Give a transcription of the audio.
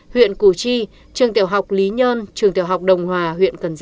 huyện củ chi trường tiểu học lý nhân trường tiểu học đồng hòa huyện cần giờ